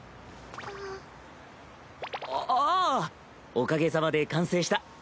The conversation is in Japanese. あああおかげさまで完成した。